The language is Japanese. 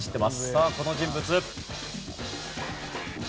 さあこの人物。